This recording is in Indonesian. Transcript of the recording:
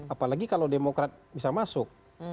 apalagi kalau demokrat bisa masuk